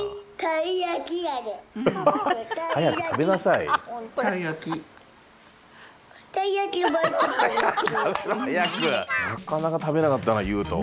なかなか食べなかったなゆうと。